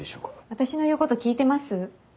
私の言うこと聞いてます？